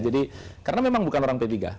jadi karena memang bukan orang p tiga